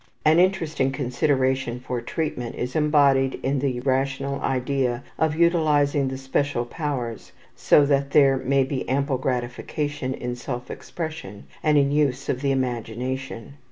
An interesting consideration for treatment is embodied in the rational idea of utilizing the special powers, so that there may be ample gratification in self expression, and in use of the imagination.